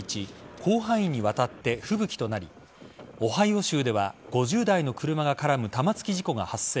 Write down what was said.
広範囲にわたって吹雪となりオハイオ州では５０台の車が絡む玉突き事故が発生。